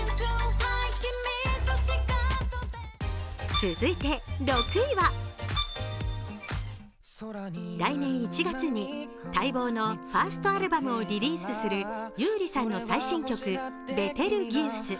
続いて６位は、来年１月に待望のファーストアルバムをリリースする優里さんの最新曲、「ベテルギウス」。